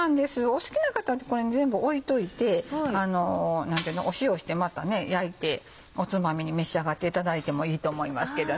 お好きな方これ全部置いといて塩してまた焼いておつまみに召し上がっていただいてもいいと思いますけどね。